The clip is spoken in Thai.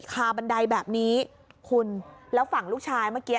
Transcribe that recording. คาบันไดแบบนี้คุณแล้วฝั่งลูกชายเมื่อกี้